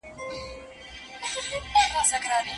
تر څو چي هغه لوڼي ئې واده يا مړې سي.